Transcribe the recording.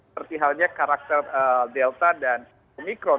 tertihalnya karakter delta dan omikron